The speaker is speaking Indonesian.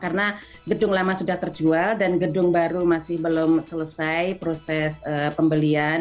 karena gedung lama sudah terjual dan gedung baru masih belum selesai proses pembelian